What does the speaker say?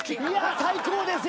最高ですよ